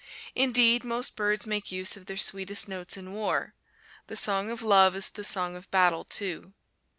Indeed, most birds make use of their sweetest notes in war. The song of love is the song of battle too.